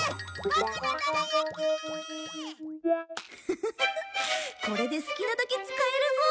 フフフフこれで好きなだけ使えるぞ！